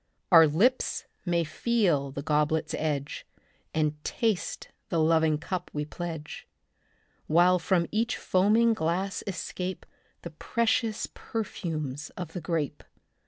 Our lips may feel the goblet's edge And taste the loving cup we pledge. While from each foaming glass escape The precious perfumes of the grape.